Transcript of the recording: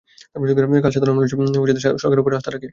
কারণ, সাধারণ মানুষ সরকারের ওপরই আস্থা রাখে, সরকারের সেবা বেশি নেয়।